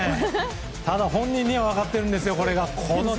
ただ本人には分かってるんですよ。